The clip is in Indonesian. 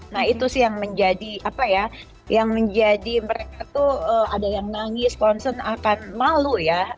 nah itu sih yang menjadi apa ya yang menjadi mereka tuh ada yang nangis concern akan malu ya